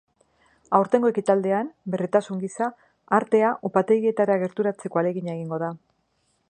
Aurtengo ekitaldian, berritasun gisa, artea upategietara gerturatzeko ahalegina egingo da.